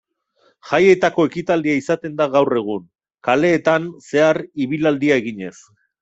Jaietako ekitaldia izaten da gaur egun, kaleetan zehar ibilaldia eginez.